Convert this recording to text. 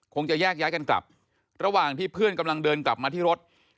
จะแยกย้ายกันกลับระหว่างที่เพื่อนกำลังเดินกลับมาที่รถ